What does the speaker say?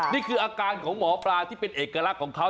นี่คืออาการของหมอปลาที่เป็นเอกลักษณ์ของเขา